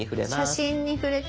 「写真」に触れた。